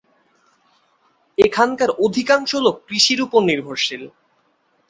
এখানকার অধিকাংশ লোক কৃষির উপর নির্ভরশীল।